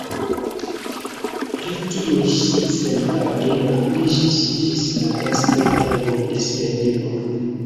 Pri tio ŝi senpage okupiĝis ĝis la lastaj tagoj de sia vivo.